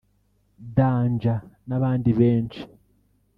Danja n’abandi benshi